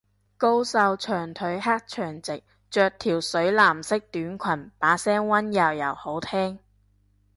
高瘦長腿黑長直，着條水藍色短裙，把聲溫柔又好聽